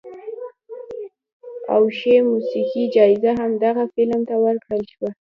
او ښې موسیقۍ جایزه هم دغه فلم ته ورکړل شوه.